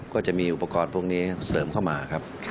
ก็จะมีอุปกรณ์พวกนี้เสริมเข้ามาครับ